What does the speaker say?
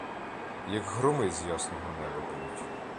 Як громи з ясного неба б'ють.